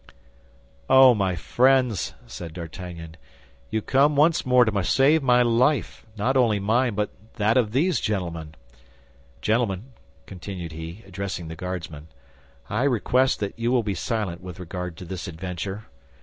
"Oh, my friends," said D'Artagnan, "you come once more to save my life, not only mine but that of these gentlemen. Gentlemen," continued he, addressing the Guardsmen, "I request you will be silent with regard to this adventure.